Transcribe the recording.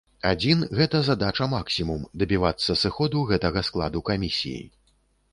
Адзін, гэта задача максімум, дабівацца сыходу гэтага складу камісіі.